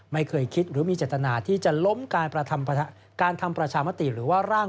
ไม่เคยคิดหรือมีเจตนาที่จะล้มการทำประชามติหรือว่าร่าง